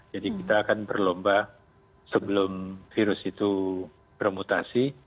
jadi kita akan berlomba sebelum virus itu bermutasi